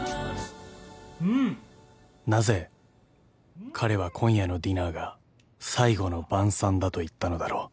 ［なぜ彼は今夜のディナーが最後の晩餐だと言ったのだろう］